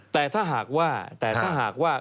แต่ถ้าหากว่า